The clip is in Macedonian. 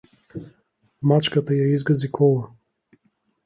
Мачката ја изгази кола.